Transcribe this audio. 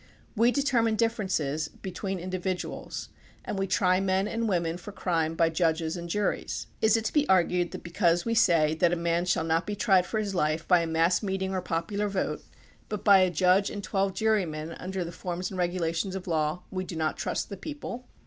We determine differences between individuals and we try men and women for crime by judges and juries. Is it to be argued that because we say that a man shall not be tried for his life by a mass meeting or a popular vote, but by a judge and twelve jurymen under the forms and regulations of law, we do not trust the people